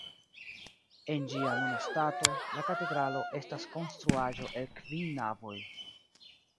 En ĝia nuna stato, la katedralo estas konstruaĵo el kvin navoj.